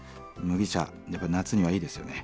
麦茶やっぱ夏にはいいですよね。